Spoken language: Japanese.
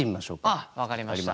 ああ分かりました。